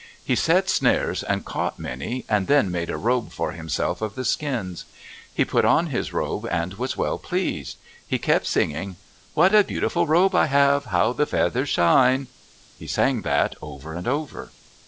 He set snares and caught many, and then made a robe for himself of the skins. He put on his robe and was well pleased. He kept singing, What a beautiful robe I have! How the feathers shine! He sang that over and over.